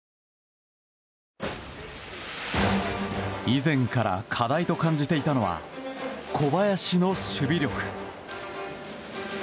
以前から課題と感じていたのは小林の守備力。